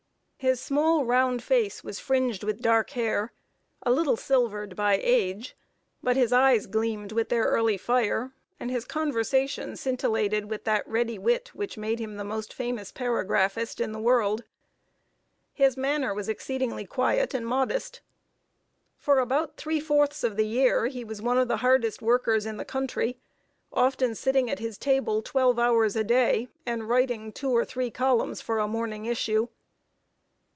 His small, round face was fringed with dark hair, a little silvered by age; but his eyes gleamed with their early fire, and his conversation scintillated with that ready wit which made him the most famous paragraphist in the world. His manner was exceedingly quiet and modest. For about three fourths of the year, he was one of the hardest workers in the country; often sitting at his table twelve hours a day, and writing two or three columns for a morning issue.